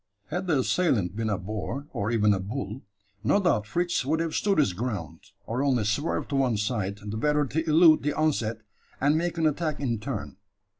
Had the assailant been a boar, or even a bull, no doubt Fritz would have stood his ground, or only swerved to one side, the better to elude the onset, and make an attack in turn.